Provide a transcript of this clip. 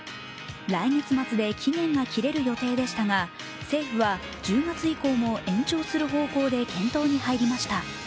来月末で期限が切れる予定でしたが政府は１０月以降も延長する方向で検討に入りました。